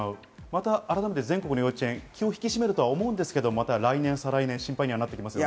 また改めて全国の幼稚園、気を引き締めると思いますが、また来年、再来年が心配ですね。